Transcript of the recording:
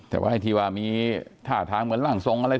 แต่ว่าไอ้ที่ว่ามีท่าทางเหมือนร่างทรงอะไร